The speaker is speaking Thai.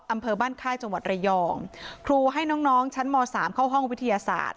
อำเภอบ้านค่ายจังหวัดระยองครูให้น้องน้องชั้นม๓เข้าห้องวิทยาศาสตร์